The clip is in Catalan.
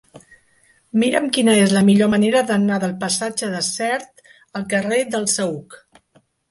Mira'm quina és la millor manera d'anar del passatge de Sert al carrer del Saüc.